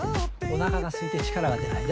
お腹が空いて力が出ない。